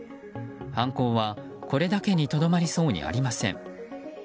犯行はこれだけにとどまりそうにありません。